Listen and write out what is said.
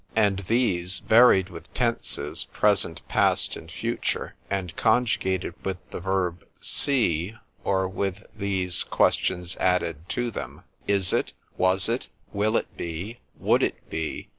_—And these varied with tenses, present, past, future, and conjugated with the verb see,—or with these questions added to them;—_Is it? Was it? Will it be? Would it be?